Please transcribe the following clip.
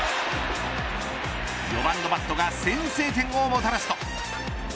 ４番のバットが先制点をもたらすと。